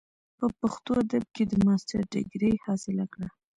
پۀ پښتو ادب کښې د ماسټر ډګري حاصله کړه ۔